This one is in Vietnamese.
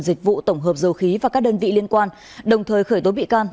dịch vụ tổng hợp dầu khí và các đơn vị liên quan đồng thời khởi tố bị can